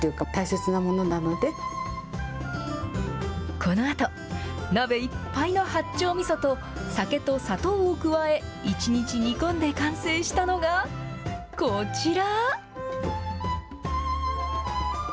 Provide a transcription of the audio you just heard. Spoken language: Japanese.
このあと、鍋いっぱいの八丁みそと、酒と砂糖を加え、１日煮込んで完成したのが、こちら。